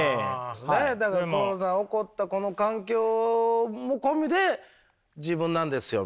何やったらコロナ起こったこの環境も込みで自分なんですよみたいな。